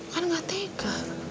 kan gak tega